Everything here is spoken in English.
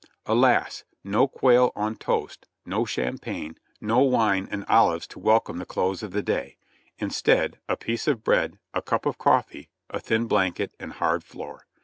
Alas ! No quail on toast, no champagne, no wine and olives to welcome the close of the day; instead, a piece of bread, a cup of coffee, a thin blanket and hard floor.